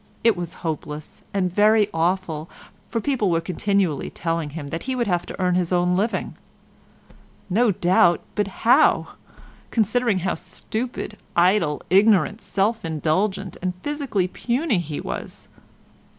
It was hopeless, and very awful, for people were continually telling him that he would have to earn his own living. No doubt, but how—considering how stupid, idle, ignorant, self indulgent, and physically puny he was?